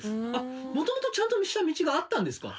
元々ちゃんとした道があったんですか？